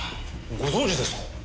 ご存じですか？